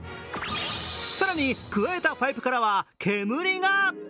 更に、くわえたパイプからは煙が。